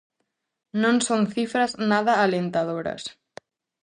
Non son cifras nada alentadoras.